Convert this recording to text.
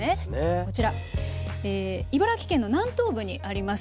こちらえ茨城県の南東部にあります